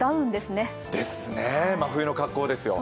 ですね、真冬の格好です。